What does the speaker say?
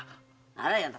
あらやだ！